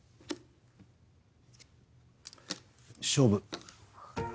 勝負。